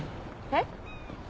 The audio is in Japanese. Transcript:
えっ？